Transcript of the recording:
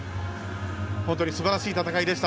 本当にすばらしい戦いでした。